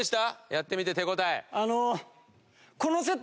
やってみて手応え。